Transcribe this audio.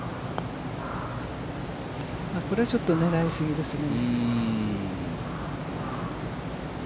これはちょっと狙い過ぎですね。